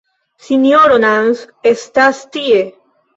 Sinjoro Nans estas tie.